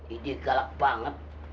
ini galak banget